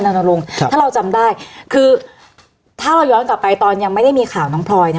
ลงครับถ้าเราจำได้คือถ้าเราย้อนกลับไปตอนยังไม่ได้มีข่าวน้องพลอยเนี่ย